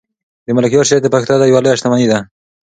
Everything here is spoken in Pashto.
د ملکیار شعر د پښتو ادب یوه لویه شتمني ده.